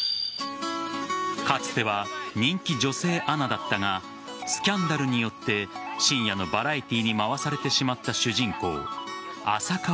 かつては人気女性アナだったがスキャンダルによって深夜のバラエティーに回されてしまった主人公浅川